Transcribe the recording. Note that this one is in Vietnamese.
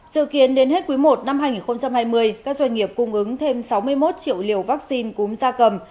sự kiến đến hết cuối một năm hai nghìn hai mươi các doanh nghiệp cung ứng thêm sáu mươi một triệu liều vaccine cúng gia cầm